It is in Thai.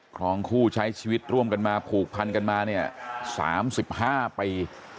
ครองคู่ใช้ชีวิตร่วมกันมาผูกพันกันมาเนี่ย๓๕ปี